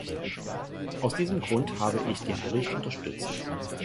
Aus diesem Grund habe ich den Bericht unterstützt.